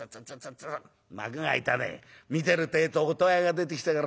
見てるってえと音羽屋が出てきたからよ